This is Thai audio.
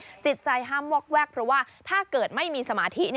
จิตใจห้ามวอกแวกเพราะว่าถ้าเกิดไม่มีสมาธิ